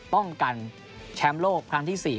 ป้องกันแชมป์โลกครั้งที่๔